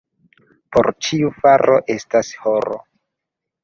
Por ĉiu faro estas horo.